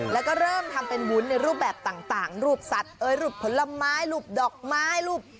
แล้วก็เริ่มทำเป็นวุ้นในรูปแบบต่างรูปสัตว์รูปผลไม้รูปดอกไม้รูป